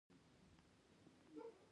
افغانستان څنګه جوړیږي؟